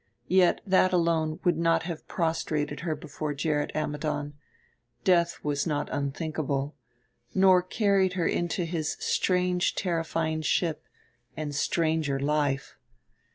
Yet that alone would not have prostrated her before Gerrit Ammidon death was not unthinkable nor carried her into his strange terrifying ship and stranger life.